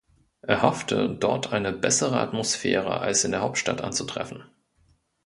Er hoffte, dort eine bessere Atmosphäre als in der Hauptstadt anzutreffen.